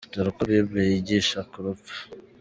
Dore uko Bible yigisha ku Rupfu.